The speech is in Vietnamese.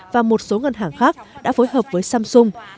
và một số ngân hàng khác đã phối hợp với samsung